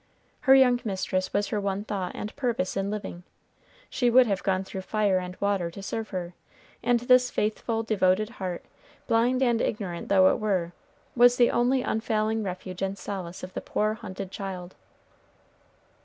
Her young mistress was her one thought and purpose in living. She would have gone through fire and water to serve her; and this faithful, devoted heart, blind and ignorant though it were, was the only unfailing refuge and solace of the poor hunted child.